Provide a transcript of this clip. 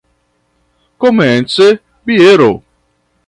Komence biero.